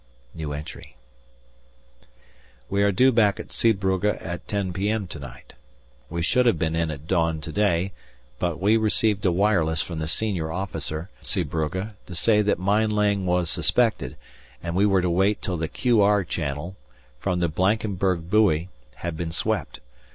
We are due back at Zeebrugge at 10 p.m. to night. We should have been in at dawn to day, but we received a wireless from the senior officer, Zeebrugge, to say that mine laying was suspected, and we were to wait till the "Q.R." channel, from the Blankenberg buoy, had been swept.